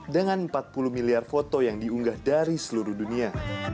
dengan empat puluh miliar foto yang diunggah dari seluruh dunia